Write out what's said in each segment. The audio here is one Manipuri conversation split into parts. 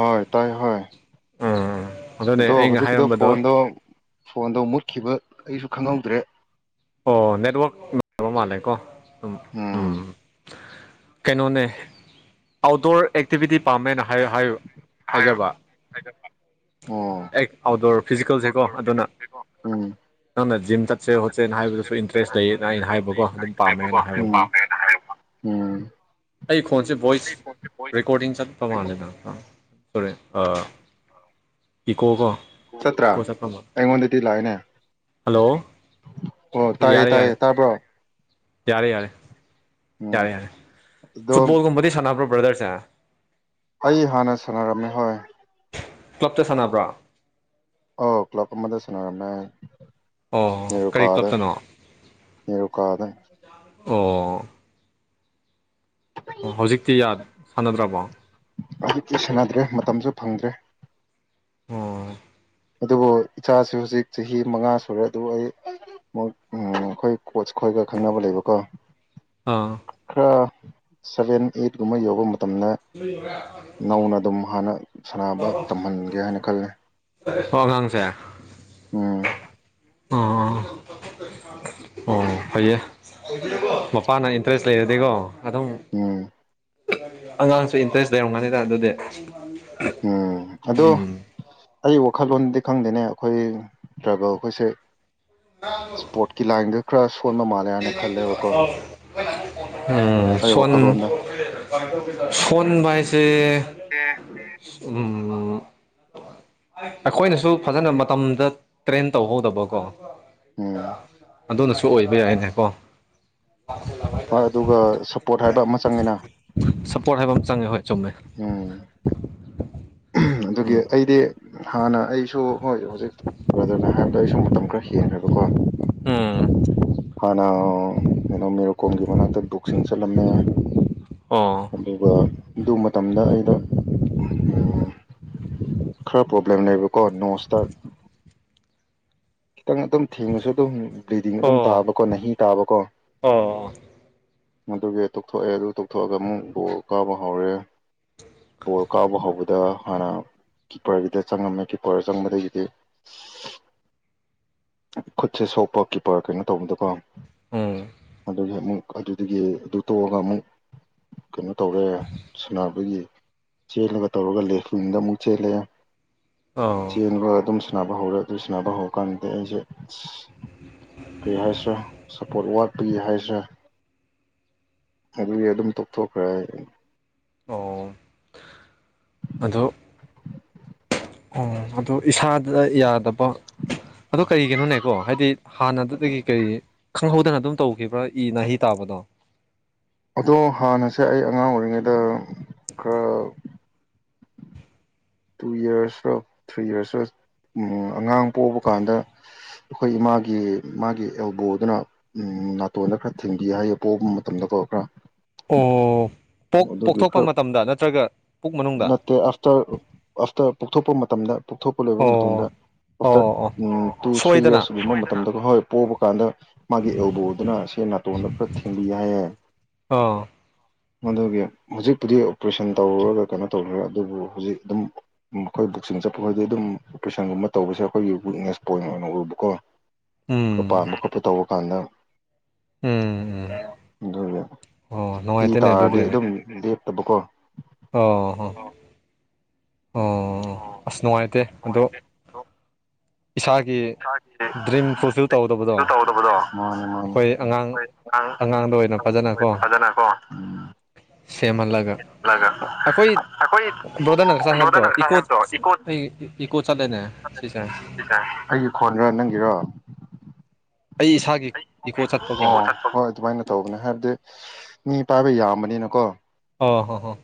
ꯍꯣꯢ ꯇꯥꯏ ꯍꯣꯢ ꯎꯝ ꯑꯗꯨꯅꯦ ꯑꯗꯣ ꯑꯩꯅ ꯍꯧꯖꯤꯛꯀꯤꯗꯣ ꯍꯥꯏꯔꯝꯕꯗꯣ ꯐꯣꯟꯗꯣ ꯐꯣꯟꯗꯣ ꯃꯨꯠꯈꯤꯕ ꯑꯩꯁꯨ ꯈꯪꯍꯧꯗ꯭ꯔꯦ ꯑꯣ ꯅꯦꯠꯋꯛ ꯅꯨꯡ ꯕ ꯃꯥꯜꯂꯦꯀꯣ ꯎ ꯎꯝ ꯀꯩꯅꯣꯅꯦ ꯑꯥꯎꯠꯗꯣꯔ ꯑꯦꯛꯇꯤꯚꯤꯇꯤ ꯄꯥꯝꯃꯦꯅ ꯍꯥꯏ ꯍꯥꯏꯕ ꯍꯥꯏꯌꯣ ꯍꯥꯏꯒꯟꯕ ꯑꯦ ꯑꯥꯎꯠꯗꯣꯔ ꯐꯤꯖꯤꯀꯦꯜꯁꯦꯀꯣ ꯑꯗꯨꯅ ꯎꯝ ꯅꯪꯅ ꯖꯤꯝ ꯆꯠꯁꯦꯕ ꯅ ꯍꯥꯏꯕꯗꯨꯁꯨ ꯏꯟꯇꯔꯦꯁ ꯂꯩꯌꯦꯅ ꯑꯩꯅ ꯍꯥꯏꯕꯀꯣ ꯑꯗꯨꯝ ꯍꯥꯏꯕꯀꯣ ꯄꯥꯝꯃꯦꯅ ꯍꯥꯏꯔꯨꯕ ꯄꯥꯝꯃꯦꯅ ꯍꯥꯏꯕ ꯎꯝ ꯑꯩ ꯈꯣꯟꯁꯦ ꯚꯣꯏꯁ ꯔꯦꯀꯣꯔꯗꯤꯡ ꯆꯠꯄ ꯃꯥꯜꯂꯦꯗ ꯁꯣꯔꯦ ꯑ ꯏꯀꯣꯒꯣ ꯆꯠꯇ꯭ꯔꯥ ꯏꯀꯣ ꯆꯠꯄ ꯃ ꯑꯩꯉꯣꯟꯗꯗꯤ ꯂꯥꯛꯏꯅꯦ ꯍꯜꯂꯣ ꯑꯣ ꯇꯥꯏꯌꯦ ꯌꯥꯔꯦ ꯌꯥꯔꯦ ꯇꯥꯏꯌꯦ ꯇꯥꯕ꯭ꯔꯣ ꯌꯥꯔꯦ ꯌꯥꯔꯦ ꯎꯝ ꯌꯥꯔꯦ ꯌꯥꯔꯦ ꯑꯗꯣ ꯐꯨꯠꯕꯣꯜꯒꯨꯝꯕꯗꯤ ꯁꯥꯟꯅꯕ꯭ꯔꯣꯕ ꯕ꯭ꯔꯗꯁꯦ ꯑꯩ ꯍꯥꯟꯅ ꯁꯥꯟꯅꯔꯝꯃꯦ ꯍꯣꯏ ꯀ꯭ꯂꯞꯇ ꯁꯥꯟꯅꯕ꯭ꯔꯥ ꯑꯣ ꯀ꯭ꯂꯞ ꯑꯃꯗ ꯁꯅꯔꯝꯃꯦ ꯑꯣ ꯀꯔꯤ ꯀ꯭ꯂꯞꯇꯅꯣ ꯅꯦꯔꯣꯀꯗ ꯑꯣ ꯑꯣ ꯍꯧꯖꯤꯛꯇꯤ ꯌꯥ ꯁꯥꯟꯅꯗ꯭ꯔꯕꯣ ꯑꯖꯤꯛꯇꯤ ꯁꯦꯟꯅꯗ꯭ꯔꯦ ꯃꯇꯝꯁꯨ ꯐꯪꯗ꯭ꯔꯦ ꯑꯣ ꯑꯗꯨꯕꯨ ꯏꯆꯥꯁꯨ ꯍꯧꯖꯤꯛ ꯆꯍꯤ ꯃꯉꯥ ꯁꯨꯔꯦ ꯑꯗꯨ ꯑꯩ ꯑꯃꯨꯛ ꯑꯈꯣꯏ ꯀꯣꯆ ꯈꯣꯏꯒ ꯈꯪꯅꯕ ꯂꯩꯕꯀꯣ ꯑꯥ ꯈꯔ ꯁꯚꯦꯟ ꯑꯩꯠ ꯀꯨꯝꯕ ꯌꯧꯕ ꯃꯇꯝꯗ ꯅꯧꯅ ꯑꯗꯨꯝ ꯍꯥꯟꯅ ꯁꯥꯟꯅꯕ ꯇꯝꯍꯟꯒꯦ ꯍꯥꯏꯅ ꯈꯂꯦ ꯑꯣ ꯑꯉꯥꯡꯁꯦ ꯎꯝ ꯑꯥ ꯑꯣ ꯐꯩꯌꯦ ꯃꯄꯥꯅ ꯏꯟꯇꯔꯦꯁ ꯂꯩꯔꯗꯤꯀꯣ ꯑꯗꯨꯝ ꯎꯝ ꯑꯉꯥꯡꯁꯨ ꯏꯟꯇꯔꯦꯁ ꯂꯩꯔꯝꯒꯅꯤ ꯑꯗꯨꯗꯤ ꯎꯝ ꯑꯗꯣ ꯎꯝ ꯑꯩ ꯋꯥꯈꯜꯂꯣꯟꯗꯤ ꯈꯪꯗꯦꯅꯦ ꯑꯈꯣꯏ ꯇ꯭ꯔꯥꯏꯕꯦꯜ ꯑꯈꯣꯏꯁꯦ ꯏꯁꯄꯣꯔꯠꯀꯤ ꯂꯥꯏꯟꯗ ꯈꯔ ꯁꯣꯟꯕ ꯃꯥꯜꯂꯦ ꯍꯥꯏꯅ ꯈꯜꯂꯦꯕꯀꯣ ꯎꯝ ꯑꯩ ꯁꯣꯟ ꯋꯥꯈꯜꯂꯣꯟꯗ ꯁꯣꯟꯕ ꯍꯥꯏꯁꯦ [unintelligible] ꯎꯝ ꯑꯈꯣꯏꯅꯁꯨ ꯐꯖꯅ ꯃꯇꯝꯗ ꯇ꯭ꯔꯦꯟ ꯇꯧꯍꯧꯗꯕꯀꯣ ꯎꯝ ꯑꯗꯨꯅꯁꯨ ꯑꯣꯏꯕ ꯌꯥꯏꯅꯦꯀꯣ ꯍꯣꯏ ꯑꯗꯨꯒ ꯁꯞꯄꯣꯔꯠ ꯍꯥꯏꯕ ꯑꯃ ꯆꯪꯉꯤꯅ ꯁꯞꯄꯣꯔꯠ ꯍꯥꯏꯕ ꯑꯃ ꯆꯪꯉꯦ ꯍꯣꯏ ꯆꯨꯝꯃꯦ ꯎꯝ ꯑꯗꯨꯒꯤ ꯎꯝ ꯑꯩꯗꯤ ꯍꯥꯟꯅ ꯑꯩ ꯑꯩꯁꯨ ꯍꯣꯏ ꯍꯧꯖꯤꯛ ꯕ꯭ꯔꯗꯔꯅ ꯍꯥꯏꯔꯕꯗ ꯑꯩꯁꯨ ꯃꯇꯝ ꯈꯔ ꯍꯦꯜꯂꯦꯕꯀꯣ ꯎꯝ ꯍꯥꯟꯅ ꯃꯦꯗꯥꯝ ꯃꯦꯔꯣ ꯀꯣꯝꯒꯤ ꯃꯅꯥꯛꯇ ꯕꯣꯛꯁꯤꯡ ꯆꯠꯂꯝꯃꯦ ꯑꯣ ꯑꯗꯨꯒ ꯑꯗꯨ ꯃꯇꯝꯗ ꯑꯩꯗꯣ ꯎꯝ ꯈꯔ ꯄ꯭ꯔꯣꯕ꯭ꯂꯦꯝ ꯂꯩꯕꯀꯣ ꯅꯃꯣꯁꯇꯥꯔ ꯈꯤꯇꯪ ꯑꯗꯨꯝ ꯊꯦꯡꯉꯁꯨ ꯑꯗꯨꯝ ꯕ꯭ꯂꯤꯗꯤꯡ ꯑꯗꯨꯝ ꯑꯣ ꯇꯥꯕꯀꯣ ꯅꯍꯤ ꯇꯥꯕꯀꯣ ꯑꯣ ꯑꯗꯨꯒꯤ ꯇꯣꯛꯊꯣꯛꯑꯦ ꯑꯗꯨ ꯇꯣꯛꯊꯣꯛꯑꯒ ꯑꯃꯨꯛ ꯕꯣꯜ ꯀꯥꯎꯕ ꯍꯧꯔꯦ ꯕꯣꯜ ꯀꯥꯎꯕ ꯍꯧꯕꯗ ꯍꯥꯟꯅ ꯀꯤꯞꯄꯔꯒꯤꯗ ꯆꯪꯉꯝꯃꯦ ꯀꯤꯞꯄꯔ ꯆꯪꯕꯗꯒꯤꯗꯤ ꯈꯨꯠꯁꯦ ꯁꯣꯛꯄ ꯀꯤꯞꯄꯔ ꯀꯩꯅꯣ ꯇꯧꯕꯗꯀꯣ ꯎꯝ ꯑꯗꯨꯒꯤ ꯑꯃꯨꯛ ꯑꯗꯨꯗꯒꯤ ꯑꯗꯨ ꯇꯣꯛꯑꯒ ꯑꯃꯨꯛ ꯀꯩꯅꯣ ꯇꯧꯔꯦ ꯁꯥꯟꯅꯕꯒꯤ ꯆꯦꯜꯂꯒ ꯇꯧꯔꯒ ꯂꯦꯗ ꯑꯃꯨꯛ ꯆꯦꯜꯂꯦ ꯑꯧ ꯆꯦꯟꯒ ꯑꯗꯨꯝ ꯁꯥꯟꯅꯕ ꯍꯧꯔꯦ ꯑꯗꯨ ꯁꯥꯟꯅꯕ ꯍꯧꯕꯀꯥꯟꯗ ꯑꯩꯁꯦ ꯑꯁ ꯀꯩ ꯍꯥꯏꯁꯤꯔ ꯁꯄꯣꯔꯠ ꯋꯥꯠꯄꯩ ꯍꯥꯏꯁꯤꯔ ꯑꯗꯨꯗꯤ ꯑꯗꯨꯝ ꯇꯣꯛꯊꯣꯛꯈ꯭ꯔꯦ ꯑꯣ ꯑꯗꯣ ꯑꯗꯨ ꯏꯁꯥꯗ ꯌꯥꯗꯕ ꯑꯗꯨ ꯀꯔꯤꯒꯤꯅꯣꯅꯦꯀꯣ ꯍꯥꯏꯗꯤ ꯍꯥꯟꯅꯗꯨꯗꯒꯤ ꯀꯔꯤ ꯈꯪꯍꯧꯗꯅ ꯑꯗꯨꯝ ꯇꯧꯈꯤꯕ꯭ꯔꯥ ꯏ ꯅꯥꯍꯤ ꯇꯥꯕꯗꯣ [inaudible] ꯑꯗꯣ ꯍꯥꯟꯅꯁꯦ ꯑꯩ ꯑꯉꯥꯡ ꯑꯣꯏꯔꯤꯉꯩꯗ ꯈꯔ ꯇꯨ ꯏꯌꯔꯁ ꯔ ꯊ꯭ꯔꯤ ꯏꯌꯔꯁ ꯔ ꯑꯉꯥꯡ ꯄꯣꯛꯑꯕ ꯀꯥꯟꯗ ꯑꯩꯈꯣꯏ ꯏꯃꯥꯒꯤ ꯃꯥꯒꯤ ꯑꯦꯜꯕꯣꯗꯨꯅ ꯎꯝ ꯅꯥꯇꯣꯟꯗ ꯈꯔ ꯊꯦꯡꯕꯤ ꯍꯥꯏꯌꯦ ꯄꯣꯕ ꯃꯇꯝꯗꯀꯣ ꯈꯔ ꯑꯣ ꯄꯣꯛ ꯑꯗꯨꯒꯤ ꯄꯣꯛꯊꯣꯛꯄ ꯈꯔ ꯃꯇꯝꯗ ꯅꯠꯇ꯭ꯔꯒ ꯄꯨꯛ ꯃꯅꯨꯡꯗ ꯇ ꯄꯣꯛꯊꯣꯛꯄ ꯃꯇꯝꯗ ꯄꯣꯛꯊꯣꯛꯄ ꯂꯣꯏꯕ ꯑꯣ ꯑꯣ ꯃꯇꯝꯗ ꯑꯥꯐꯇꯔ ꯑꯣ ꯑꯣ ꯇꯨ ꯊ꯭ꯔꯤ ꯁꯣꯏꯗꯅ ꯌꯔꯁꯒꯨꯝꯕ ꯃꯇꯝꯗꯒ ꯍꯣꯏ ꯄꯣꯕ ꯀꯥꯟꯗ ꯃꯥꯒꯤ ꯑꯦꯜꯕꯣꯗꯨꯅ ꯁꯦ ꯅꯥꯇꯣꯟꯗ ꯈꯔ ꯊꯤꯡꯕꯤ ꯍꯥꯏꯌꯦ ꯑꯣ ꯃꯗꯨꯒꯤ ꯍꯧꯖꯤꯛꯄꯨꯗꯤ ꯑꯣꯄ꯭ꯔꯦꯁꯟ ꯇꯧꯔꯨꯔꯒ ꯀꯩꯅꯣ ꯇꯧꯔꯨꯔꯦ ꯑꯗꯨꯕꯨ ꯍꯧꯖꯤꯛ ꯑꯗꯨꯝ ꯑꯩꯈꯣꯏ ꯕꯣꯛꯆꯤꯡ ꯆꯠꯄ ꯈꯣꯢꯗꯤ ꯑꯗꯨꯝ ꯑꯣꯄꯔꯦꯁꯟꯒꯨꯝꯕ ꯇꯧꯕꯁꯦ ꯑꯩꯈꯣꯏꯒꯤ ꯋꯤꯛꯅꯦꯁ ꯄꯣꯏꯟ ꯑꯣꯏꯅ ꯎꯕꯀꯣ ꯎꯝ ꯃꯄꯥꯝꯕ ꯈꯣꯠꯄ ꯇꯧꯕ ꯀꯥꯟꯗ ꯎꯝ ꯎꯝ ꯑꯗꯨꯒꯤ ꯑꯣ ꯏ ꯅꯨꯡꯉꯥꯏꯇꯦꯅꯦ ꯑꯗꯨꯗꯤ ꯇꯥꯔꯗꯤ ꯑꯗꯨꯝ ꯂꯦꯞ ꯍꯥꯢꯕꯀꯣ ꯑꯣ ꯍꯣ ꯑꯣ ꯑꯁ ꯅꯨꯡꯉꯥꯏꯇꯦ ꯑꯗꯣ ꯏꯁꯥꯒꯤ ꯗ꯭ꯔꯤꯝ ꯐꯨꯜꯐꯤꯜ ꯇꯧꯗꯕꯗꯣ ꯃꯥꯅꯤ ꯃꯥꯅꯤ ꯑꯩꯈꯣꯏ ꯑꯉꯥꯡ ꯑꯉꯥꯡꯗ ꯑꯣꯏꯅ ꯐꯖꯅꯀꯣ ꯎꯝ ꯁꯦꯝꯍꯜꯂꯒ ꯑꯩꯈꯣꯏ ꯕ꯭ꯔꯣꯗꯔꯅ ꯉꯁꯥꯏ ꯍꯥꯏꯕꯗꯣ ꯏꯀꯣ ꯑꯩ ꯏꯀꯣ ꯆꯠꯂꯦꯅꯦ ꯁꯤꯁꯦ ꯑꯩꯒꯤ ꯈꯣꯟꯅꯦ ꯅꯪꯒꯤꯔꯣ ꯑꯩ ꯏꯁꯥꯒꯤ ꯏꯀꯣ ꯆꯠꯄꯀꯣ ꯑꯣ ꯍꯣꯏ ꯑꯗꯨꯃꯥꯏꯅ ꯇꯧꯕꯅꯦ ꯍꯥꯏꯕꯗꯤ ꯃꯤ ꯄꯥꯏꯕ ꯌꯥꯝꯕꯅꯤꯅꯀꯣ ꯑꯣ ꯍꯣ ꯍꯣ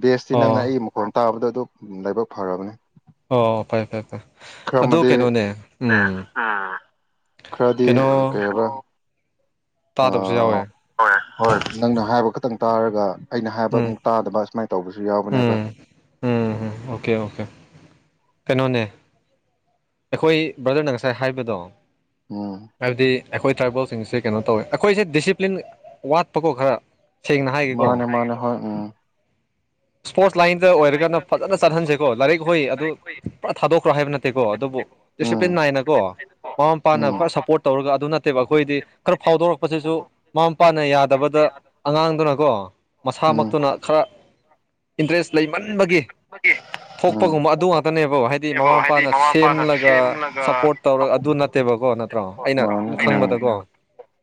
ꯕꯦꯁꯇꯤ ꯑꯣ ꯅꯪꯅ ꯑꯩ ꯃꯈꯣꯟ ꯇꯥꯕꯗꯣ ꯑꯗꯨ ꯂꯥꯏꯕꯛ ꯐꯔꯕꯅꯦ ꯑꯣ ꯐꯔꯦ ꯐꯔꯦ ꯐꯔꯦ ꯈꯔ ꯑꯗꯨ ꯑꯃꯗꯤ ꯀꯩꯅꯣꯅꯦ ꯎꯝ ꯈꯔꯗꯤ ꯀꯩꯅꯣ ꯀꯩ ꯍꯥꯏꯕ ꯑ ꯇꯥꯗꯕꯁꯨ ꯌꯥꯎꯋꯦ ꯍꯣꯏ ꯅꯪꯅ ꯍꯥꯏꯕ ꯈꯛꯇꯪ ꯇꯥꯔꯒ ꯑꯩꯅ ꯍꯥꯏꯕ ꯎꯝ ꯑꯃꯨꯛ ꯇꯥꯗꯕ ꯑꯨꯃꯥꯏꯅ ꯇꯧꯕꯁꯨ ꯌꯥꯎꯕꯅꯦꯕ ꯎꯝ ꯎꯝ ꯎꯝ ꯑꯣꯀꯦ ꯑꯣꯀꯦ ꯀꯩꯅꯣꯅꯦ ꯑꯩꯈꯣꯏ ꯕ꯭ꯔꯗꯔꯅ ꯉꯁꯥꯏ ꯍꯥꯏꯕꯗꯣ ꯎꯝ ꯍꯥꯏꯕꯗꯤ ꯑꯩꯈꯣꯏ ꯇ꯭ꯔꯥꯏꯕꯦꯜꯁꯤꯡꯁꯦ ꯀꯩꯅꯣ ꯇꯧꯋꯦ ꯑꯩꯈꯣꯏꯁꯦ ꯗꯤꯁꯤꯄ꯭ꯂꯤꯟ ꯋꯥꯠꯄꯀꯣ ꯈꯔ ꯁꯦꯡꯅ ꯍꯥꯏꯒꯦꯀꯣ ꯃꯥꯅꯦ ꯃꯥꯅꯦ ꯍꯣꯏ ꯎꯝ ꯏꯁꯄꯣꯔꯠꯁ ꯂꯥꯏꯟꯗ ꯑꯣꯏꯔꯒꯅ ꯐꯖꯅ ꯆꯠꯍꯟꯁꯦꯀꯣ ꯂꯥꯏꯔꯤꯛ ꯍꯣꯏ ꯑꯗꯨ ꯄꯨꯔꯥ ꯊꯥꯗꯣꯛꯈ꯭ꯔꯣ ꯍꯥꯏꯕ ꯅꯠꯇꯦꯀꯣ ꯑꯗꯨꯕꯨ ꯎꯝ ꯗꯤꯁꯤꯄ꯭ꯂꯤꯟ ꯅꯥꯥꯏꯅ ꯀꯣ ꯃꯃꯥ ꯃꯄꯥꯅ ꯎꯝ ꯄꯨꯔ ꯁꯞꯄꯣꯔꯠ ꯇꯧꯔꯒ ꯑꯗꯨ ꯅꯠꯇꯦꯕ ꯑꯩꯈꯣꯏꯗꯤ ꯈꯔ ꯐꯥꯎꯗꯣꯔꯛꯄꯁꯤꯁꯨ ꯃꯃꯥ ꯃꯄꯥꯅ ꯌꯥꯗꯕꯗ ꯑꯉꯥꯡꯗꯨꯅꯀꯣ ꯎꯝ ꯃꯁꯥꯃꯛꯇꯨꯅ ꯈꯔ ꯏꯟꯇ꯭ꯔꯦꯁ ꯂꯩꯃꯟꯕꯒꯤ ꯊꯣꯛꯄꯒꯨꯝꯕ ꯑꯗꯨ ꯉꯥꯛꯇꯅꯦꯕ ꯍꯥꯏꯗꯤ ꯃꯃꯥ ꯃꯄꯥꯅ ꯁꯦꯝꯂꯒ ꯁꯞꯄꯣꯔꯠ ꯇꯧꯔ ꯑꯗꯨ ꯅꯠꯇꯦ ꯅꯦꯕꯀꯣ ꯅꯠꯇ꯭ꯔꯣ ꯎꯝ ꯑꯩꯅ ꯁꯨꯝ ꯃꯥꯅꯦ ꯎꯝ ꯈꯪꯕꯗꯀꯣ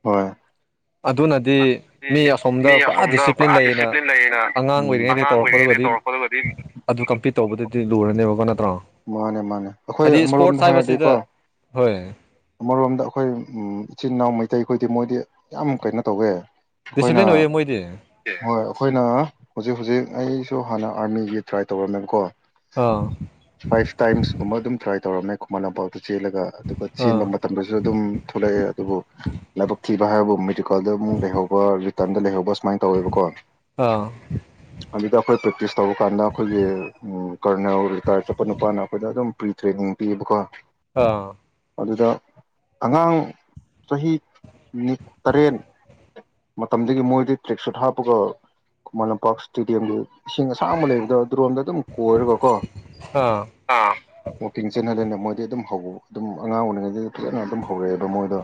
ꯍꯣꯏ ꯑꯗꯨꯅꯗꯤ ꯃꯤ ꯑꯁꯣꯝꯗ ꯄꯨꯔꯥ ꯗꯤꯁꯤꯞ ꯄ꯭ꯂꯤꯟ ꯂꯩꯅ ꯑꯉꯥꯡ ꯎꯝ ꯑꯣꯏꯔꯤꯉꯩꯗ ꯇꯧꯔꯛꯄꯗꯨꯒꯗꯤ ꯑꯗꯨ ꯀꯝꯄꯤꯠ ꯇꯧꯕꯗꯗꯤ ꯂꯨ ꯔꯅꯤꯕꯀꯣ ꯅꯠꯇ꯭ꯔꯣ ꯃꯥꯅꯦ ꯃꯥꯅꯦ ꯑꯩꯈꯣꯏ ꯍꯥꯏꯗꯤ ꯏꯁꯄꯣꯔꯠꯁ ꯑꯃꯔꯣꯝꯗ ꯍꯥꯏꯕꯁꯤꯗ ꯍꯥꯏꯔꯗꯤꯀꯣ ꯍꯣꯏ ꯑꯃꯔꯣꯝꯗ ꯑꯩꯈꯣꯏ ꯏꯆꯤꯟ ꯏꯅꯥꯎ ꯃꯩꯇꯩꯈꯣꯏꯗꯤ ꯃꯣꯏꯗꯤ ꯌꯥꯝ ꯀꯩꯅꯣ ꯇꯧꯋꯦ ꯑꯩꯈꯣꯏꯅ ꯗꯤꯁꯤꯄ꯭ꯂꯤꯟ ꯑꯣꯏꯌꯦ ꯃꯣꯏꯗꯤ ꯍꯣꯏ ꯑꯩꯈꯣꯏꯅ ꯍꯨꯖꯤꯛ ꯍꯨꯖꯤꯛ ꯑꯩ ꯗꯨ ꯍꯥꯟꯅ ꯑꯥꯔꯃꯤꯒꯤ ꯇ꯭ꯔꯥꯏ ꯇꯧꯔꯝꯃꯦꯀꯣ ꯑꯥ ꯐꯥꯏꯚ ꯇꯥꯏꯝꯁꯀꯨꯝꯕ ꯑꯗꯨꯝ ꯇ꯭ꯔꯥꯏ ꯇꯧ ꯇꯧꯔꯝꯃꯦ ꯈꯨꯃꯟ ꯂꯝꯄꯥꯛꯥꯎꯇ ꯆꯦꯜꯂꯒ ꯑꯗꯨꯒ ꯑꯥ ꯆꯦꯟꯕ ꯃꯇꯝꯗꯁꯨ ꯑꯗꯨꯝ ꯊꯣꯛꯂꯛꯑꯦ ꯑꯗꯨꯕꯨ ꯂꯥꯏꯕꯛ ꯊꯤꯕ ꯍꯥꯏꯕꯕꯨ ꯃꯦꯗꯤꯀꯜꯗ ꯑꯃꯨꯛ ꯂꯩꯍꯧꯕ ꯔꯤꯇꯔꯟꯗ ꯂꯩꯍꯧꯕ ꯁꯨꯃꯥꯏꯅ ꯇꯧꯋꯦꯕꯀꯣ [inaudible] ꯑꯗꯨꯗ ꯑꯩꯈꯣꯏ ꯄ꯭ꯔꯦꯛꯇꯤꯁ ꯇꯧꯕ ꯀꯥꯟꯗ ꯑꯩꯈꯣꯏꯒꯤ ꯀꯔꯅꯦꯜ ꯔꯤꯇꯥꯌꯔ ꯆꯠꯄ ꯅꯨꯄꯥꯅ ꯑꯩꯈꯣꯏꯗ ꯑꯗꯨꯝ ꯄ꯭ꯔꯤ ꯇ꯭ꯔꯦꯅꯤꯡ ꯄꯤꯌꯦꯕꯀꯣ ꯑꯥ ꯑꯗꯨꯗ ꯑꯉꯥꯡ ꯆꯍꯤ ꯅꯤ ꯇꯔꯦꯠ ꯃꯇꯝꯗꯒꯤ ꯃꯣꯏꯗꯤ ꯇ꯭ꯔꯦꯛ ꯁꯨꯏꯠ ꯍꯥꯞꯄꯒ ꯈꯨꯃꯟ ꯂꯝꯄꯥꯛ ꯁ꯭ꯇꯦꯗꯤꯌꯝꯒꯤ ꯏꯁꯤꯡ ꯑꯁꯥꯡꯕ ꯂꯩꯕꯗꯣ ꯗꯨꯔꯣꯝꯗ ꯑꯗꯨꯝ ꯀꯣꯏꯔꯒꯀꯣ ꯑꯥ ꯋꯥꯛꯀꯤꯡ ꯆꯠꯅꯔꯦꯅ ꯃꯣꯏꯗꯤ ꯑꯗꯨꯝ ꯍꯧ ꯗꯨꯝ ꯑꯉꯥꯡ ꯑꯣꯏꯔꯤꯉꯩꯗꯩ ꯑꯗꯨꯝ ꯍꯧꯔꯛꯑꯦꯕ ꯃꯣꯏꯗꯣ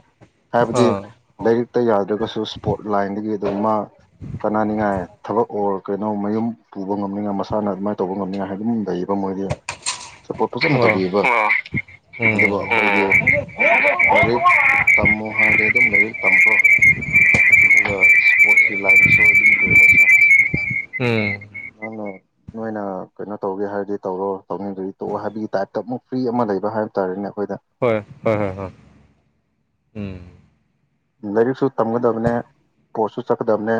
ꯍꯥꯏꯕꯗꯤ ꯑꯥ ꯂꯩꯔꯤꯛꯇ ꯌꯥꯗ꯭ꯔꯒꯁꯨ ꯁ꯭ꯄꯣꯔꯠ ꯂꯥꯏꯟꯗꯒꯤ ꯑꯗꯨꯝ ꯃꯥ ꯀꯅꯥꯅꯤꯉꯥꯏ ꯊꯕꯛ ꯑꯣꯔ ꯀꯩꯅꯣ ꯃꯌꯨꯝ ꯄꯨꯕ ꯉꯝꯅꯤꯡꯉꯥꯏ ꯃꯁꯥꯅ ꯑꯗꯨꯃꯥꯏ ꯇꯧꯕ ꯉꯝꯅꯤꯡꯉꯥꯏ ꯍꯥꯏꯗꯨꯝ ꯂꯩꯌꯦꯕ ꯃꯣꯏꯗꯤ ꯆꯠꯄꯣꯠ ꯐꯆꯟ ꯑꯣ ꯇꯧꯕꯤꯕ ꯑꯗꯨꯒ ꯎꯝ ꯂꯩꯔꯤꯛ ꯇꯝ ꯎꯝ [unintelligible] [unintelligible] [unintelligible] ꯅꯣꯏꯅ ꯀꯩꯅꯣ ꯇꯧꯒꯦ ꯍꯥꯏꯔꯗꯤ ꯇꯧꯔꯣ ꯇꯧꯅꯤꯡꯗꯗꯤ ꯇꯣꯛꯑꯣ ꯍꯥꯏꯕꯒꯤ ꯇꯥꯏꯞꯇ ꯑꯃꯨꯛ ꯐ꯭ꯔꯤ ꯑꯃ ꯂꯩꯕ ꯍꯥꯏꯕ ꯇꯥꯔꯦꯅꯦ ꯑꯩꯈꯣꯏꯗ ꯍꯣꯏ ꯍꯣꯏ ꯍꯣꯏ ꯍꯣꯏ ꯎꯝ ꯂꯥꯏꯔꯤꯛꯁꯨ ꯇꯝꯒꯗꯕꯅꯦ ꯀꯣꯔꯠꯁꯨ ꯆꯠꯀꯗꯕꯅꯦ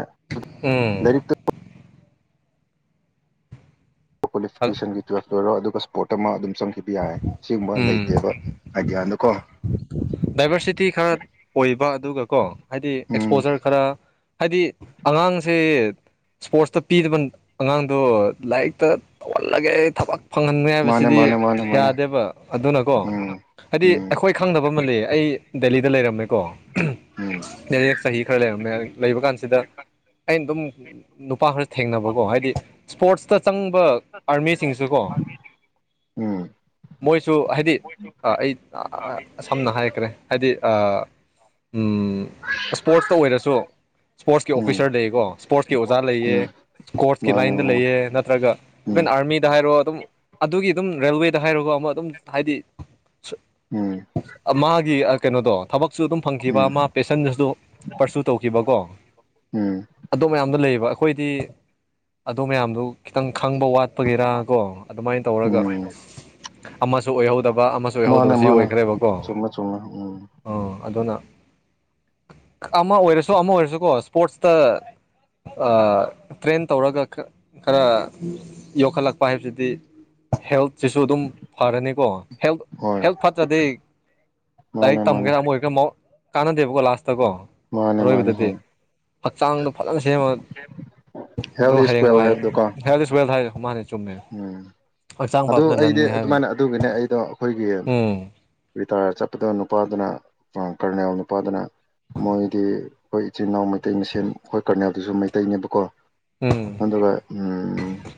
ꯎꯝ ꯂꯥꯏꯔꯤꯛꯇꯨ ꯀ꯭ꯋꯥꯂꯤꯐꯤꯀꯦꯁꯟꯒꯤ ꯇꯨꯋꯦꯜ ꯂꯣꯏꯔꯣ ꯑꯗꯨꯒ ꯁ꯭ꯄꯣꯔꯠ ꯑꯃ ꯑꯗꯨꯝ ꯆꯪꯈꯤꯕ ꯌꯥꯏ ꯁꯤꯒꯨꯝꯕ ꯎꯝ ꯂꯩꯇꯦꯕ ꯑꯥꯏꯗꯤꯌꯥꯗꯨꯀꯣ ꯗꯥꯏꯚꯔꯁꯤꯇꯤ ꯈꯔ ꯑꯣꯏꯕ ꯑꯗꯨꯒꯀꯣ ꯍꯥꯏꯗꯤ ꯎꯝ ꯑꯦꯛꯁꯄꯣꯖꯔ ꯈꯔ ꯍꯥꯏꯗꯤ ꯑꯉꯥꯡꯁꯦ ꯁ꯭ꯄꯣꯔꯠꯁꯇ ꯄꯤꯗꯕ ꯑꯉꯥꯡꯗꯣ ꯂꯥꯏꯔꯤꯛꯇ ꯇꯧꯍꯜꯂꯒꯦ ꯊꯕꯛ ꯐꯪꯍꯟꯒꯦ ꯃꯥꯅꯦ ꯍꯥꯏꯕꯁꯤꯗꯤ ꯃꯥꯅꯦ ꯃꯥꯅꯦ ꯃꯥꯅꯦ ꯌꯥꯗꯦꯕ ꯑꯗꯨꯅꯀꯣ ꯎꯝ ꯍꯥꯏꯗꯤ ꯎꯝ ꯑꯩꯈꯣꯏ ꯈꯪꯗꯕ ꯑꯃ ꯂꯩꯌꯦ ꯑꯩ ꯗꯦꯜꯂꯤꯗ ꯂꯩꯔꯝꯃꯦ ꯀꯣ ꯎꯝ ꯅꯩꯅ ꯆꯍꯤ ꯈꯔ ꯂꯩꯔꯝꯃꯦ ꯂꯩꯕ ꯀꯥꯟꯁꯤꯗ ꯑꯩꯅ ꯑꯗꯨꯝ ꯅꯨꯄꯥ ꯈꯔ ꯊꯦꯡꯅꯕꯀꯣ ꯍꯥꯏꯗꯤ ꯁ꯭ꯄꯣꯔꯠꯁ ꯆꯪꯕ ꯑꯥꯔꯃꯤꯁꯤꯡꯁꯨ ꯀꯣ ꯎꯝ ꯃꯣꯏꯁꯨ ꯍꯥꯏꯗꯤ ꯑꯩ ꯑ ꯁꯝꯅ ꯍꯥꯏ ꯀ꯭ꯔꯦ ꯍꯥꯏꯗꯤ ꯑ ꯎꯝ ꯁ꯭ꯄꯣꯔꯠꯁꯇ ꯑꯣꯏꯔꯁꯨ ꯁ꯭ꯄꯣꯔꯠꯁꯀꯤ ꯎꯝ ꯑꯣꯐꯤꯁꯥꯔ ꯂꯩꯌꯦꯀꯣ ꯁ꯭ꯄꯣꯔꯠꯁꯀꯤ ꯑꯣꯖꯥ ꯂꯩꯌꯦ ꯎꯝ ꯁ꯭ꯀꯣꯔꯠꯁꯀꯤ ꯃꯥꯅꯦ ꯂꯥꯏꯟꯗ ꯎꯝ ꯂꯩꯌꯦ ꯅꯠꯇ꯭ꯔꯒ ꯏꯚꯟ ꯑꯥꯔꯃꯤꯗ ꯍꯥꯏꯔꯣ ꯑꯗꯨꯝ ꯑꯗꯨꯒꯤ ꯑꯗꯨꯝ ꯔꯦꯜꯋꯦꯗ ꯍꯥꯏꯔꯒ ꯑꯃ ꯑꯗꯨꯝ ꯍꯥꯏꯗꯤ ꯃꯥꯒꯤ ꯃꯤ ꯑ ꯀꯩꯅꯣꯗꯣ ꯊꯕꯛꯁꯨ ꯑꯗꯨꯝ ꯎꯝ ꯐꯪꯈꯤꯕ ꯎꯝ ꯃꯥ ꯄꯦꯁꯟꯗꯁꯨ ꯄꯔꯁꯨ ꯇꯧꯈꯤꯕꯀꯣ ꯎꯝ ꯑꯗꯨ ꯃꯌꯥꯝꯗꯣ ꯂꯩꯕ ꯑꯩꯈꯣꯏꯗꯤ ꯑꯗꯨ ꯃꯌꯥꯝꯗꯣ ꯈꯤꯇꯪ ꯈꯪꯕ ꯋꯥꯠ ꯀꯞꯄꯒꯤꯔꯥ ꯀꯣ ꯑꯗꯨꯃꯥꯏ ꯇꯧꯔꯒ ꯎꯝ ꯑꯃꯁꯨ ꯑꯣꯏꯍꯧꯗꯕ ꯑꯃꯁꯨ ꯑꯣꯏꯍꯧꯗꯕ ꯃꯥꯅꯦ ꯁꯤ ꯃꯥꯅꯦ ꯑꯣꯏꯈ꯭ꯔꯦꯕꯀꯣ ꯆꯨꯝꯃꯦ ꯆꯨꯝꯃꯦ ꯎꯝ ꯑ ꯑꯗꯨꯅ ꯑꯃ ꯑꯣꯏꯔꯁꯨ ꯑꯃ ꯑꯣꯏꯔꯁꯨꯀꯣ ꯁ꯭ꯄꯣꯔꯠꯁꯇ ꯑ ꯇ꯭ꯔꯦꯟ ꯇꯧꯔꯒ ꯈꯔ ꯌꯣꯛꯈꯠꯂꯛꯄ ꯍꯥꯏꯕꯁꯤꯗꯤ ꯍꯦꯜꯠꯁꯤꯁꯨ ꯑꯗꯨꯝ ꯐꯔꯅꯤꯀꯣ ꯍꯦꯜꯠ ꯍꯣꯏ ꯍꯦꯜꯠ ꯐꯠꯇ꯭ꯔꯗꯤ ꯃꯥꯅꯦ ꯂꯥꯏꯔꯤꯛ ꯃꯥꯅꯦ ꯇꯝꯒꯦꯔꯥ ꯑꯃ ꯑꯣꯏꯒꯦꯔꯥ ꯃꯧ ꯀꯥꯟꯅꯗꯦꯕꯀꯣ ꯂꯥꯁꯇꯀꯣ ꯃꯥꯅꯦ ꯃꯥꯅꯦ ꯑꯔꯣꯏꯕꯗꯗꯤ ꯍꯣꯏ ꯍꯛꯆꯥꯡꯗꯣ ꯐꯖꯟ ꯁꯦꯝꯃꯒ ꯑꯗꯨ ꯍꯦꯜ ꯏꯁ ꯋꯦꯜ ꯍꯌꯦꯡꯋꯥꯏ ꯍꯥꯏꯕꯗꯣꯀꯣ ꯍꯦꯜꯠ ꯏꯁ ꯋꯦꯜ ꯍꯥꯏꯔꯦ ꯃꯥꯥꯟꯅ ꯎꯝ ꯑꯗꯨ ꯑꯩꯗꯤ ꯂꯟꯅꯤ ꯍꯥꯏꯕ ꯑꯗꯨꯃꯥꯏꯅ ꯑꯗꯨꯒꯤꯅꯦ ꯑꯩꯗꯣ ꯑꯩꯈꯣꯏꯒꯤ ꯎꯝ ꯔꯤꯇꯥꯔ ꯆꯠꯄꯗꯣ ꯄꯥꯗꯨꯅ ꯑ ꯀꯔꯅꯦꯜ ꯅꯨꯄꯥꯗꯨꯅ ꯃꯣꯏꯗꯤ ꯑꯈꯣꯏ ꯏꯆꯤꯟꯜ ꯏꯅꯥꯎ ꯃꯩꯇꯩꯅ ꯁꯦꯝ ꯑꯈꯣꯏ ꯀꯔꯅꯦꯜꯗꯨꯁꯨ ꯃꯩꯇꯩꯅꯦꯕꯀꯣ ꯎꯝ ꯑꯗꯨꯒ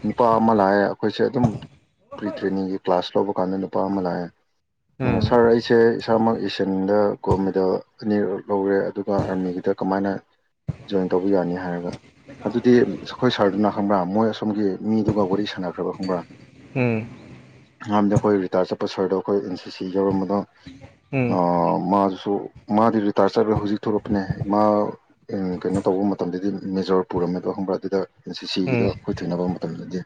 ꯅꯨꯄꯥ ꯑꯃ ꯂꯥꯛꯑꯦ ꯑꯈꯣꯏꯁꯦ ꯑꯗꯨꯝ ꯄ꯭ꯔꯤ ꯇ꯭ꯔꯦꯅꯤꯡꯒꯤ ꯀ꯭ꯂꯥꯁ ꯂꯧꯕ ꯀꯥꯟꯗ ꯅꯨꯄꯥ ꯑꯃ ꯂꯥꯛꯑꯦ ꯎꯝ ꯁꯥꯔ ꯑꯩꯁꯦ ꯏꯁꯥꯃꯛ ꯇꯦꯟꯗ ꯒꯣꯜ ꯃꯦꯗꯜ ꯑꯅꯤꯔꯛ ꯂꯧꯔꯦ ꯑꯗꯨꯒ ꯑꯥꯔꯃꯤꯒꯤꯗ ꯀꯃꯥꯏꯅ ꯖꯣꯏꯟ ꯇꯧꯕ ꯌꯥꯅꯤ ꯍꯥꯏꯔꯒ ꯑꯗꯨꯗꯤ ꯑꯈꯣꯏ ꯁꯥꯔꯗꯨꯅ ꯈꯪꯕ꯭ꯔꯥ ꯃꯣꯏ ꯑꯁꯣꯝꯒꯤ ꯃꯤꯗꯨꯒ ꯋꯥꯔꯤ ꯁꯥꯟꯅꯈ꯭ꯔꯕ ꯈꯪꯕ꯭ꯔꯥ ꯎꯝ ꯑꯍꯥꯟꯕꯗꯤ ꯑꯈꯣꯏ ꯔꯤꯇꯥꯌꯔ ꯆꯠꯄ ꯁꯥꯔꯗꯣ ꯑꯩꯈꯣꯏ ꯑꯦꯟ ꯁꯤ ꯁꯤ ꯌꯥꯎꯔꯝꯕꯗ ꯎꯝ ꯃꯥ ꯑꯣ ꯃꯥꯗꯤ ꯔꯤꯇꯥꯌꯔ ꯆꯠꯂꯒ ꯍꯧꯖꯤꯛ ꯊꯣꯛꯂꯛꯄꯅꯦ ꯃꯥ ꯀꯩꯅꯣ ꯇꯧꯕ ꯃꯇꯝꯗꯗꯤ ꯃꯦꯖꯣꯔ ꯄꯨꯔꯛ ꯍꯪꯕ꯭ꯔꯥ ꯎꯝ ꯑꯗꯨꯗꯒꯤꯗ ꯑꯈꯣꯏ ꯊꯦꯡꯅꯕ ꯃꯇꯝꯗꯗꯤ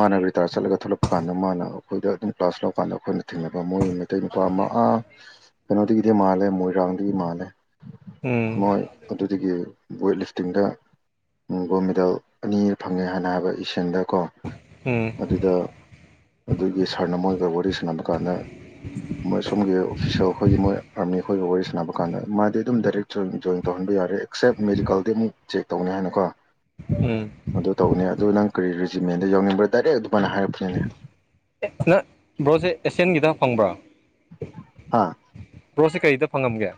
ꯃꯥꯅ ꯇꯥꯔ ꯆꯠꯂꯒ ꯊꯣꯛꯂꯛꯄ ꯀꯥꯟꯗ ꯃꯥꯅ ꯑꯩꯈꯏꯗ ꯑꯗꯨꯝ ꯀ꯭ꯂꯥꯁ ꯂꯀꯥꯟꯗ ꯑꯈꯣꯏꯅ ꯊꯦꯡꯅꯕ ꯃꯣꯏ ꯃꯩꯇꯩ ꯅꯨꯄꯥ ꯑꯃ ꯀꯩꯅꯣꯗꯒꯤꯗꯤ ꯃꯥꯜꯂꯦ ꯃꯣꯏꯔꯥꯡꯗꯒꯤ ꯃꯥꯜꯂꯦ ꯎꯝ ꯎꯝ ꯃꯣꯏ ꯑꯗꯨꯗꯒꯤ ꯋꯦꯠ ꯂꯤꯐꯇꯤꯡꯗ ꯒꯣꯜ ꯃꯦꯗꯜ ꯑꯅꯤ ꯐꯪꯉꯦ ꯍꯥꯟꯅ ꯍꯥꯏꯕ ꯏꯁꯟꯗ ꯀꯣ ꯎꯝ ꯑꯗꯨꯗ ꯑꯗꯨꯒꯤ ꯁꯥꯔꯅ ꯃꯣꯏꯒ ꯋꯥꯔꯤ ꯁꯥꯟꯅꯕ ꯀꯥꯟꯗ ꯃꯣꯏ ꯁꯣꯝꯒꯤ ꯑꯣꯐꯤꯁꯦꯜ ꯑꯈꯣꯏꯒꯤ ꯃꯣꯏ ꯑꯥꯔꯃꯤ ꯑꯈꯣꯏꯒ ꯋꯥꯔꯤ ꯁꯥꯟꯅꯕ ꯀꯥꯟꯗ ꯃꯥꯗꯤ ꯑꯗꯨꯝ ꯗꯥꯏꯔꯦꯛ ꯖꯣꯏ ꯇꯧꯔꯦ ꯍꯟꯕ ꯌꯥꯔꯦ ꯑꯦꯛꯁꯦꯞ ꯃꯦꯗꯤꯀꯜꯗꯤ ꯑꯃꯨꯛ ꯆꯦꯛ ꯇꯧꯅꯤ ꯍꯥꯏꯅꯀꯣ [inaudible] ꯑꯗꯨ ꯇꯧꯕꯅꯦ ꯑꯗꯨ ꯅꯪ ꯀꯔꯤ ꯔꯦꯖꯤꯃꯦꯟꯗ ꯌꯥꯎꯅꯤꯡꯕ꯭ꯔ ꯗꯥꯏꯔꯦꯛ ꯑꯗꯨꯃꯥꯏꯅ ꯍꯥꯏꯔꯛꯄꯅꯤꯅꯦ ꯕ꯭ꯔꯣꯖꯦ ꯑꯦꯁꯤꯌꯥꯟꯒꯤꯗ ꯐꯪꯕ꯭ꯔꯥ ꯍꯥ ꯕ꯭ꯔꯣꯁꯦ ꯀꯔꯤꯗ ꯐꯪꯉꯝꯒꯦ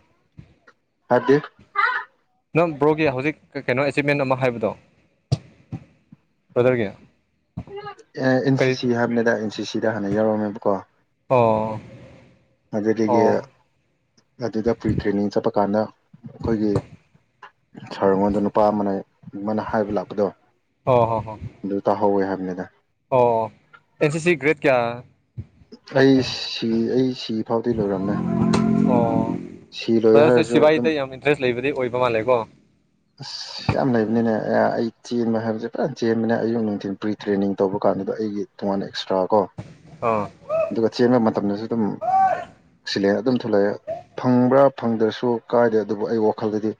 [unintelligible] ꯅ ꯕ꯭ꯔꯣꯒꯤ ꯍꯧꯖꯤꯛ ꯀꯩꯅꯣ ꯑꯦꯆꯤꯞꯃꯦꯟ ꯑꯃ ꯍꯥꯏꯕꯗꯣ ꯕ꯭ꯔꯗꯔꯒꯤ ꯑꯦ ꯑꯦꯟ ꯁꯤ ꯀꯔꯤ ꯁꯤ ꯍꯥꯏꯕꯅꯤꯗ ꯑꯦꯟ ꯁꯤꯁꯤꯗ ꯍꯥꯟꯅ ꯌꯥꯎꯔꯝꯃꯦꯕꯀꯣ ꯑꯣ ꯃꯗꯒ ꯑꯣ ꯑꯗꯨꯗ ꯐꯔꯤ ꯇ꯭ꯔꯦꯅꯤꯡ ꯆꯞꯄ ꯀꯥꯟꯗ ꯑꯈꯣꯏꯒꯤ ꯁꯥꯔ ꯑꯩꯉꯣꯟꯗ ꯅꯨꯄꯥ ꯑꯃꯅ ꯑꯃꯅ ꯍꯥꯏꯕ ꯂꯥꯛꯄꯗꯣ ꯑꯣ ꯍꯣ ꯍꯣ ꯑꯗꯨ ꯇꯥꯍꯧꯋꯦ ꯍꯥꯏꯕ ꯑꯣ ꯑꯦꯟ ꯁꯤ ꯁꯤ ꯒ꯭ꯔꯦꯗ ꯀꯌꯥ ꯑꯩ ꯁꯤ ꯑꯩ ꯁꯤ ꯐꯥꯎꯗꯤ ꯂꯣꯏꯔꯝꯃꯦ ꯑꯣ ꯁꯤ ꯂꯣꯏ ꯕ꯭ꯔꯗꯔꯁꯦ ꯍꯥꯏꯔꯁꯨ ꯑꯗꯨꯝ ꯁꯤꯕꯥꯏꯗ ꯌꯥꯝ ꯏꯟꯇꯔꯦꯁ ꯂꯩꯕꯗꯤ ꯑꯣꯏꯕ ꯃꯥꯜꯂꯦꯀꯣ ꯑꯁ ꯌꯥꯝ ꯂꯩꯕꯅꯤꯅꯦ ꯑꯩ ꯆꯦꯟꯕ ꯍꯥꯏꯕꯁꯦ ꯄꯨꯔꯥ ꯆꯦꯟꯕꯅꯦ ꯑꯌꯨꯛ ꯅꯨꯡꯊꯤꯟ ꯄ꯭ꯔꯤ ꯇ꯭ꯔꯦꯅꯤꯡ ꯇꯧꯕ ꯀꯥꯟ ꯑꯗꯨꯗ ꯑꯩꯒꯤ ꯇꯣꯉꯥꯟꯅ ꯑꯦꯛꯁꯇ꯭ꯔꯥ ꯀꯣ ꯑꯥ ꯑꯗꯨꯒ ꯆꯦꯟꯕ ꯃꯇꯝꯗꯁꯨ ꯑꯗꯨꯝ ꯁꯤꯜꯂ ꯑꯗꯨꯝ ꯊꯣꯛꯂꯛꯑꯦ ꯐꯪꯕ꯭ꯔꯥ ꯐꯪꯗ꯭ꯔꯁꯨ ꯀꯥꯏꯗꯦ ꯑꯗꯨꯕꯨ ꯑꯩ ꯋꯥꯈꯜꯗꯗꯤ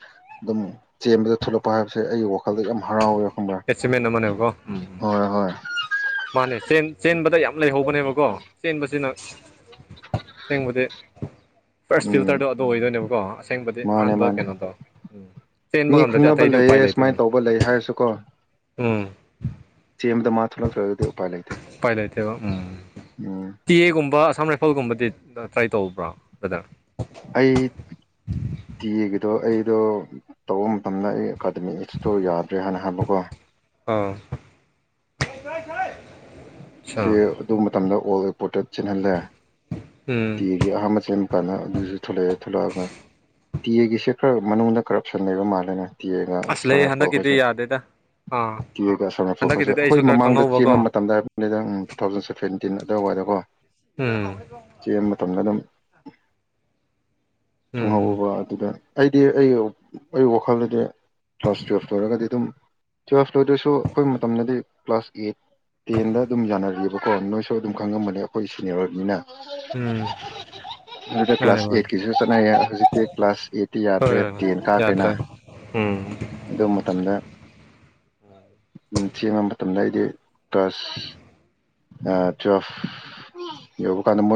ꯑꯗꯨꯝ ꯆꯦꯟꯕꯗ ꯊꯣꯛꯂꯛꯄ ꯍꯥꯏꯕꯁꯦ ꯑꯩꯒꯤ ꯋꯥꯈꯜꯗ ꯌꯥꯝ ꯍꯔꯥꯎꯋꯦ ꯈꯪꯕ꯭ꯔꯥ ꯑꯦꯠꯁꯤꯃꯦꯟꯅ ꯑꯃꯅꯦꯕꯀꯣ ꯎꯝ ꯍꯣꯏ ꯍꯣꯏ ꯃꯥꯅꯦ ꯆꯦꯟ ꯆꯦꯟꯕꯗ ꯌꯥꯝ ꯂꯩꯍꯧꯕꯅꯦꯕꯀꯣ ꯆꯦꯟꯕꯁꯤꯅ ꯁꯦꯡꯕꯗꯤ ꯐꯥꯔꯁ ꯎꯝ ꯐꯤꯜꯇ꯭ꯔꯗꯣ ꯑꯗꯣ ꯑꯣꯏꯗꯣꯏꯅꯦꯕꯀꯣ ꯑꯁꯦꯡꯕꯗꯤ ꯃꯥꯅꯦ ꯑꯍꯥꯟꯕ ꯃꯥꯅꯦ ꯀꯩꯅꯣ ꯇꯣ ꯎꯝ ꯆꯦꯟꯕ ꯃꯤ ꯉꯝꯗꯔꯗꯤ ꯈꯪꯅꯕ ꯑꯇꯩꯗꯤ ꯂꯩꯌꯦ ꯎꯄꯥꯏ ꯂꯩꯇꯦ ꯁꯨꯃꯥꯏꯅ ꯀꯩꯅꯣ ꯇꯧꯕ ꯂꯩ ꯍꯥꯏꯔꯁꯨꯀꯣ ꯎꯝ ꯌꯨꯝꯗ ꯃ ꯊꯣꯂꯛꯇꯔꯒꯗꯤ ꯄꯥꯏ ꯂꯩꯇꯦꯕ ꯎꯝ ꯎꯝ ꯇꯤ ꯑꯦꯒꯨꯝꯕ ꯑꯁꯥꯝ ꯔꯥꯏꯐꯜꯒꯨꯝꯕꯗꯤ ꯇ꯭ꯔꯥꯏ ꯇꯧꯕ꯭ꯔꯥ ꯕ꯭ꯔꯗ꯭ꯔ ꯑꯗꯣ ꯑꯩꯗꯣ ꯇꯧꯕ ꯃꯇꯝꯐꯝꯗ ꯑꯩ ꯑꯦꯀꯥꯗꯃꯤ ꯏꯠꯁꯇꯣ ꯌꯥꯗ꯭ꯔꯦ ꯍꯥꯏꯅ ꯍꯥꯏꯕꯀꯣ ꯑꯥ ꯁꯤ ꯑꯠꯆꯥ ꯑꯗꯨ ꯃꯇꯝꯗ ꯑꯣꯜ ꯔꯤꯄꯣꯔꯠꯇ ꯆꯦꯜꯍꯜꯂꯦ ꯇꯤ ꯎꯝ ꯑꯦꯒꯤ ꯑꯍꯥꯥꯟꯕ ꯆꯦꯟꯕ ꯀꯥꯟꯗ ꯑꯗꯨꯁꯨ ꯊꯣꯛꯂꯛꯑꯦ ꯊꯂꯛꯑꯒ ꯇꯤ ꯑꯦꯒꯤꯁꯦ ꯈꯔ ꯃꯅꯨꯡꯗ ꯀꯔꯞꯁꯟ ꯂꯩꯕ ꯃꯥꯜꯂꯦꯅꯦ ꯇꯤ ꯑꯦꯒ ꯑꯁ ꯑꯁꯥꯝ ꯂꯩ ꯔꯥꯢꯐꯜ ꯍꯟꯗꯛꯀꯤꯗꯤ ꯍꯣꯢꯁꯦ ꯌꯥꯗꯦꯗ ꯑꯥ ꯇꯤ ꯑꯦ ꯒ ꯑꯁꯥꯝ ꯔꯥꯢꯐꯜꯒꯁꯦ ꯍꯟꯗꯛꯀꯤꯗꯨꯗꯤ ꯑꯩꯁꯨ ꯑꯩꯈꯣꯏ ꯈꯔ ꯃꯃꯥꯡꯗ ꯈꯪꯍꯧꯕꯀꯣ ꯆꯦꯟꯕ ꯃꯇꯝꯗ ꯂꯩꯗ ꯑꯪ ꯇꯨ ꯊꯥꯎꯖꯟ ꯁꯚꯦꯟꯇꯤꯟ ꯑꯗꯨꯋꯥꯏꯗꯀꯣ ꯎꯝ ꯆꯦꯟꯕ ꯃꯇꯝ ꯃꯇꯝꯗ ꯑꯗꯨꯝ ꯎꯝ ꯈꯪꯍꯧꯕ ꯑꯗꯨꯗ ꯑꯩꯗꯤ ꯑꯩ ꯑꯩ ꯋꯥꯈꯜꯗꯗꯤ ꯀ꯭ꯂꯥꯁ ꯇꯨꯌꯦꯜꯐ ꯂꯣꯏꯔꯒꯗꯤ ꯑꯗꯨꯝ ꯇꯨꯌꯦꯜꯐ ꯂꯣꯏꯗ꯭ꯔꯁꯨ ꯑꯩꯈꯣꯏ ꯃꯇꯝꯗꯗꯤ ꯀ꯭ꯂꯥꯁ ꯑꯦꯠ ꯀꯣ ꯅꯣꯏꯁꯨ ꯑꯗꯨꯝ ꯈꯪꯉꯝꯃꯅꯤ ꯑꯩꯈꯣꯏ ꯁꯤꯅꯤꯌꯔ ꯑꯣꯢꯕꯅꯤꯅ ꯎꯝ ꯑꯗꯨꯗ ꯃꯥꯅꯦ ꯀ꯭ꯂꯥꯁ ꯃꯥꯅꯦ ꯑꯦꯠꯀꯤꯁꯨ ꯆꯠꯅꯩꯌꯦ ꯍꯧꯖꯤꯛꯇꯤ ꯀ꯭ꯂꯥꯁ ꯑꯩꯠꯇꯤ ꯍꯣꯏ ꯌꯥꯗ꯭ꯔꯦ ꯍꯣꯏ ꯇꯦꯟ ꯀꯥꯈ꯭ꯔꯦꯅ ꯌꯥꯗ꯭ꯔꯦ ꯑꯗꯨ ꯃꯇꯝꯗ ꯁꯦꯝꯕ ꯃꯇꯝꯗ ꯑꯩꯗꯤ ꯀ꯭ꯂꯥꯁ ꯇꯨꯌꯦꯜꯐ ꯌꯧꯕ ꯀꯥꯟꯗ ꯃꯣꯏ